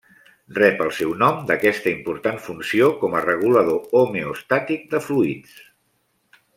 Rep el seu nom d'aquesta important funció com a regulador homeostàtic de fluids.